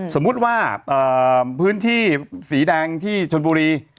สมมุติว่าพื้นที่สีแดงที่ชนบุรี